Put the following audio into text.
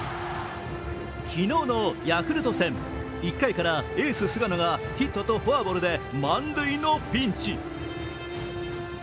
昨日のヤクルト戦１回からエース・菅野がヒットとフォアボールで満塁のピンチ。